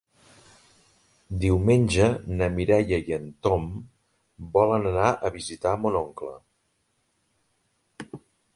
Diumenge na Mireia i en Tom volen anar a visitar mon oncle.